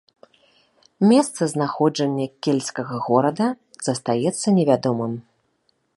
Месца знаходжання кельцкага горада застаецца невядомым.